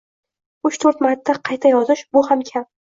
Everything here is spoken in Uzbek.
Uch-to’rt marta qayta yozish – bu ham kam.